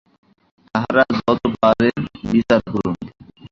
তাঁহারা যত পারেন বিচার করুন।